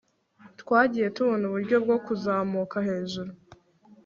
twagiye tubona uburyo bwo kuzamuka hejuru